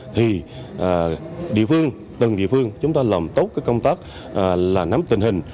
thì địa phương từng địa phương chúng ta làm tốt cái công tác là nắm tình hình